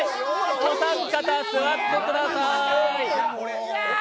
お三方、座ってくださーい。